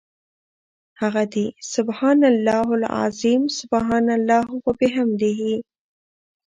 هغه دي سُبْحَانَ اللَّهِ العَظِيمِ، سُبْحَانَ اللَّهِ وَبِحَمْدِهِ .